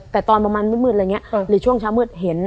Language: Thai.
แต่ตอนประมาณมืดอะไรอย่างนี้หรือช่วงเช้ามืดเห็น